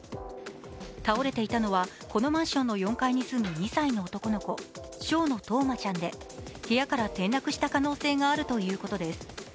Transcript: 倒れていたのは、このマンションの４階に住む２歳の男の子、昌野任真ちゃんで部屋から転落した可能性があるということです。